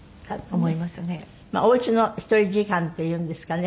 お家の１人時間っていうんですかね。